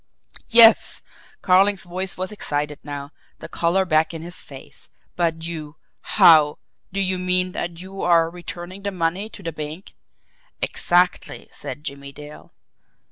"Yes!" Carling's voice was excited now, the colour back in his face. "But you how do you mean that you are returning the money to the bank?" "Exactly," said Jimmie Dale.